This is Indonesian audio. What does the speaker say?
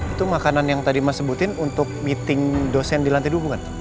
itu makanan yang tadi mas sebutin untuk meeting dosen di lantai dua